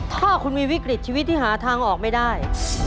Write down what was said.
ถ้าคุณมีวิกฤตชีวิตที่หาทางออกไม่ได้